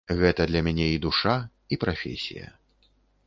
Гэта для мяне і душа, і прафесія.